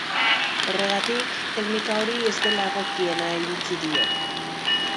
Horregatik, teknika hori ez dela egokiena iritzi dio.